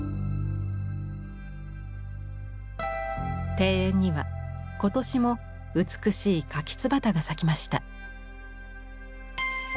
庭園には今年も美しいかきつばたが咲きました。